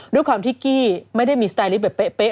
ด้วยความที่กี้ไม่ได้มีสไตลิฟต์แบบเป๊ะ